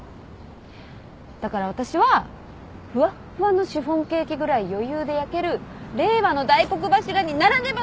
だから私はふわっふわのシフォンケーキぐらい余裕で焼ける令和の大黒柱にならねばなのよ！